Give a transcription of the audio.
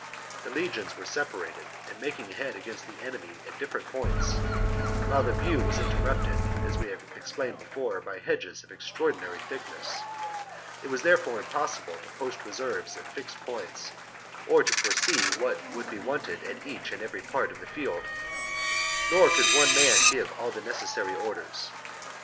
The legions were separated and making head against the enemy at different points ; while the view was interrupted, as we have explained before, by hedges of extraordinary thickness. It was therefore impossible to post reserves at fixed points, or to foresee what would be wanted at each and every part of the field ; nor could one man give all the necessary orders.